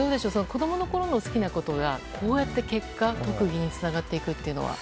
子供のころの好きなことがこうやって結果、特技につながっていくというのは。